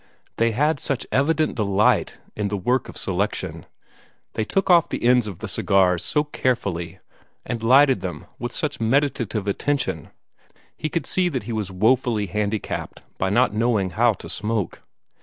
They had such evident delight in the work of selection; they took off the ends of the cigars so carefully, and lighted them with such meditative attention, he could see that he was wofully handicapped by not knowing how to smoke.